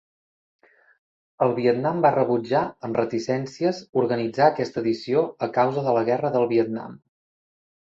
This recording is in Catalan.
El Vietnam va rebutjar, amb reticències, organitzar aquesta edició a causa de la Guerra del Vietnam.